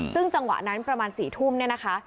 ซึ่งจังหวะนั้นประมาณ๔ทุ่มเนี่ยนะคะ